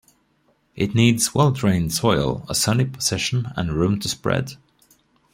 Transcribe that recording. It needs well-drained soil, a sunny position, and room to spread.